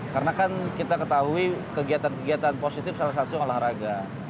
karena kan kita ketahui kegiatan kegiatan positif salah satu olahraga